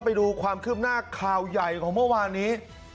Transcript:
ไปดูความคืบหน้าข่าวใหญ่ของเมื่อวานนี้